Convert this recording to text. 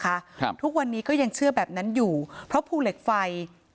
ครับทุกวันนี้ก็ยังเชื่อแบบนั้นอยู่เพราะภูเหล็กไฟ